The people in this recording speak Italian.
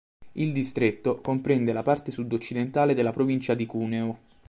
Il distretto comprende la parte sud-occidentale della provincia di Cuneo.